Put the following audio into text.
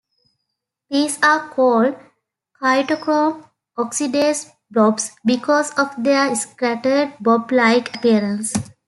These are called cytochrome oxidase "blobs" because of their scattered blob-like appearance.